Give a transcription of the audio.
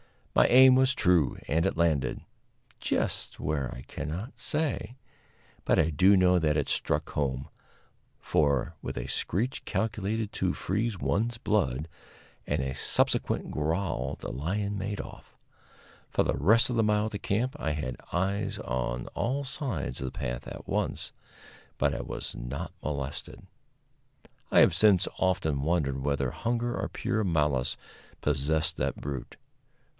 My aim was true and it landed just where I cannot say, but I do know that it struck home; for, with a screech calculated to freeze one's blood, and a subsequent growl, the lion made off. For the rest of the mile to camp I had eyes on all sides of the path at once, but I was not molested. I have since often wondered whether hunger or pure malice possessed that brute.